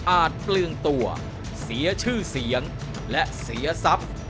เปลืองตัวเสียชื่อเสียงและเสียทรัพย์